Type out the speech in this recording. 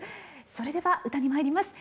それでは歌に参ります。